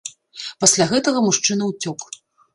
Пасля гэтага мужчына ўцёк.